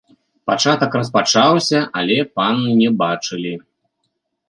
Пачатак распачаўся, але пан не бачылі.